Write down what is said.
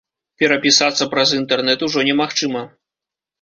Перапісацца праз інтэрнэт ужо немагчыма.